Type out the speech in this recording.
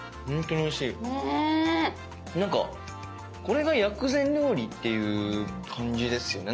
なんかこれが薬膳料理？っていう感じですよね。